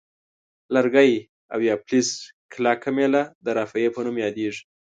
لرګی او یا فلزي کلکه میله د رافعې په نوم یادیږي.